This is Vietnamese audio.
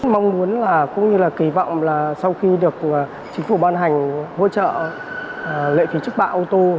mong muốn là cũng như là kỳ vọng là sau khi được chính phủ ban hành hỗ trợ lệ phí trước bạ ô tô